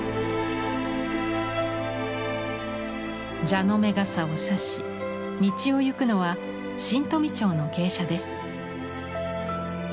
蛇の目傘をさし道を行くのは新富町の芸者です。